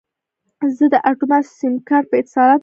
زه د اټوما سیم کارت په اتصالات بدلوم.